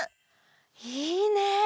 いいね！